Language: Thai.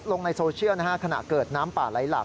ข้าวเน็ตเขาโพสต์ลงในโซเชียลขณะเกิดน้ำป่าไหลหลัก